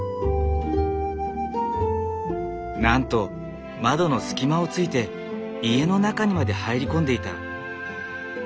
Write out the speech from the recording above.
なんと窓の隙間をついて家の中にまで入り込んでいた。